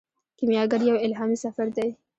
کیمیاګر یو الهامي سفر دی.